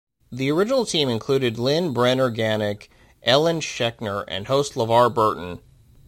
The original team included Lynne Brenner Ganek, Ellen Schecter, and host LeVar Burton.